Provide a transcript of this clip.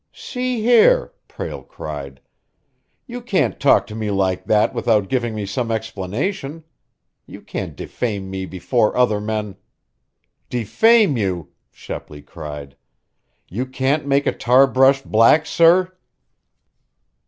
"See here!" Prale cried. "You can't talk to me like that without giving me some explanation! You can't defame me before other men " "Defame you?" Shepley cried. "You can't make a tar brush black, sir?"